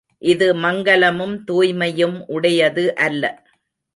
இது மங்கலமும் தூய்மையும் உடையது அல்ல!